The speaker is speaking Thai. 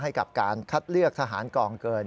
ให้กับการคัดเลือกทหารกองเกิน